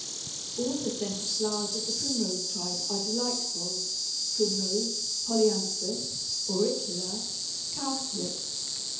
All the scented flowers of the Primrose tribe are delightful Primrose, Polyanthus, Auricula, Cowslip.